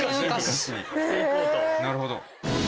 なるほど。